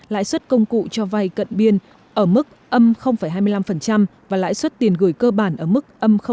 lãi suất công cụ cho vai cận biên ở mức hai mươi năm và lãi suất tiền gửi cơ bản ở mức năm